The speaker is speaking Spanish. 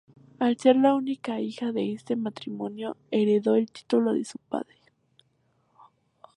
Al ser la única hija de este matrimonio, heredó el título de su padre.